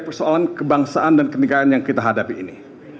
persoalan kebangsaan dan kenegaraan yang kita hadapi ini